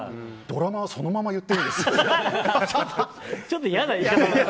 ドラマはそのまま言っていいです。